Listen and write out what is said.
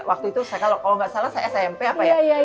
waktu itu kalau nggak salah saya smp apa ya